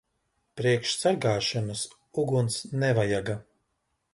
Priekš sargāšanas uguns nevajaga.